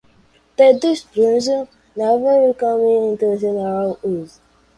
This distinction never came into general use.